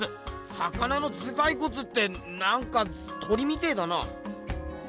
魚のずがいこつってなんか鳥みてえだな。